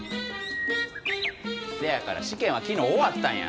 せやから試験は昨日終わったんや。